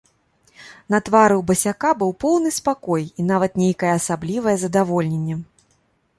На твары ў басяка быў поўны спакой і нават нейкае асаблівае здаволенне.